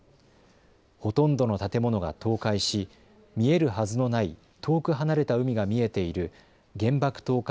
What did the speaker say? ほとんどの建物が倒壊し見えるはずのない遠く離れた海が見えている原爆投下